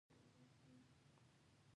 اولسونه به وي وروڼه غلیمان به یې ړانده وي